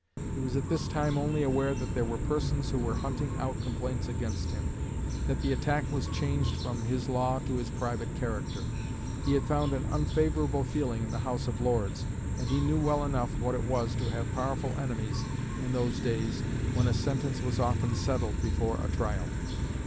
He was at this time only aware that there were persons who were "hunting out complaints against him," that the attack was changed from his law to his private character; he had found an unfavourable feeling in the House of Lords; and he knew well enough what it was to have powerful enemies in those days when a sentence was often settled before a trial.